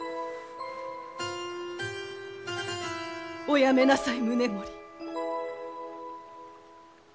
おやめなさい宗盛。